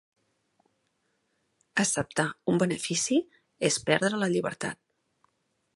Acceptar un benefici és perdre la llibertat.